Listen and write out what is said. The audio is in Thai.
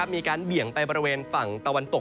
เบี่ยงไปบริเวณฝั่งตะวันตก